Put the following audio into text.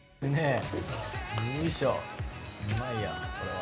うまいや、これは。